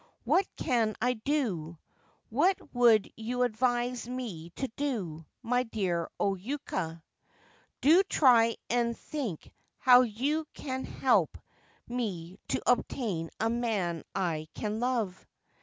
' What can I do — what would you advise me to do — my dear O Yuka ? Do try and think how you can help me to obtain a man I can love.